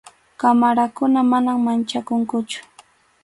qamarakuna, manam manchakunkuchu.